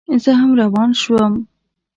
زه هم روان شوم.